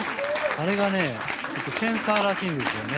あれがね、センサーらしいんですよね。